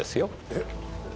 えっ！？